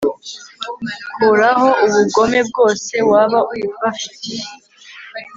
Kuraho ubugome bwose waba ubafitiye